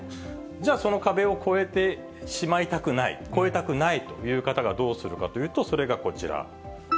じゃあ、その壁を超えてしまいたくない、超えたくないという方がどうするかというと、それがこちら。